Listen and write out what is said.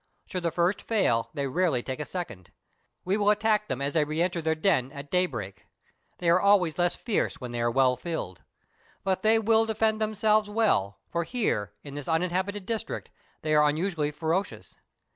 Should the first fail, they rarely take a second. We will attack them as they re enter their den at day no MERIDIANA; THE ADVENTURES OF break ; they are always less fierce when they are well filled. But they will defend themselves well, for here, in this uninhabited district, they are unusually ferocious.